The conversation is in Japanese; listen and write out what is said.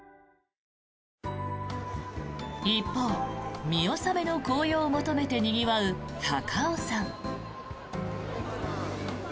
一方、見納めの紅葉を求めてにぎわう高尾山。